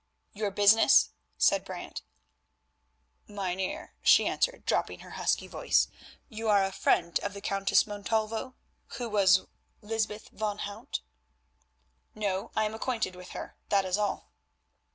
"Your business?" said Brant. "Mynheer," she answered, dropping her husky voice, "you are a friend of the Countess Montalvo, she who was Lysbeth van Hout?" "No, I am acquainted with her, that is all."